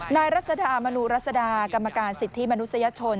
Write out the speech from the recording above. รัศดามนูรัศดากรรมการสิทธิมนุษยชน